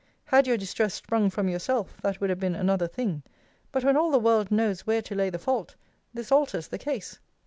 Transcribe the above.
Had your distress sprung from yourself, that would have been another thing. But when all the world knows where to lay the fault, this alters the case.